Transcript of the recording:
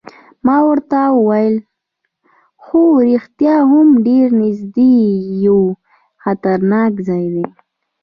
ما ورته وویل: هو رښتیا هم ډېر نږدې یو، خطرناک ځای دی.